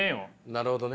なるほどね。